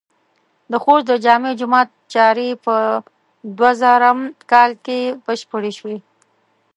د خوست د جامع جماعت چارې په دوهزرم م کال کې بشپړې شوې.